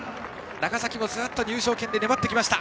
長崎もずっと入賞圏内で粘ってきました。